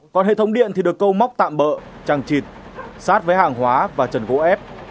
còn hệ thống điện thì được câu móc tạm bỡ trăng trịt sát với hàng hóa và trần gỗ ép